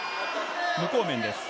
無効面です。